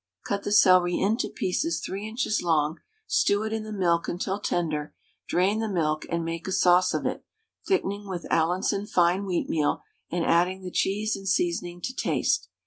Cut the celery into pieces 3 inches long, stew it in the milk until tender; drain the milk and make a sauce of it, thickening with Allinson fine wheatmeal, and adding the cheese and seasoning to taste.